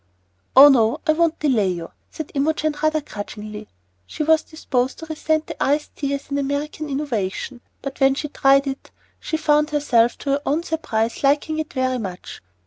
"Oh, no. I won't delay you," said Imogen, rather grudgingly. She was disposed to resent the iced tea as an American innovation, but when she tried it she found herself, to her own surprise, liking it very much.